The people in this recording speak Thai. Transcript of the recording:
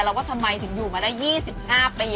แล้วว่าทำไมถึงอยู่มาได้๒๕ปี